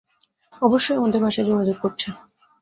অবশ্যই আমাদের ভাষায় যোগাযোগ করছে।